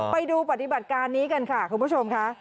ไปดูปฏิบัติการนี้กันค่ะคุณผู้ชมค่ะ